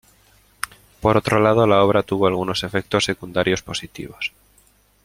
Por otro lado la obra tuvo algunos efectos secundarios positivos.